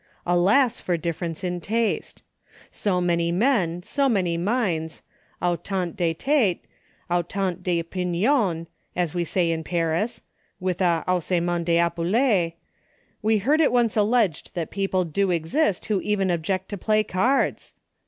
Alas foi difference in taste ! So many men, so many minds — autani de tetes, aidant cV opinions, as we say at Paris, with a haussement oT epaules We heard it once alleged that people do exist who even object to play cards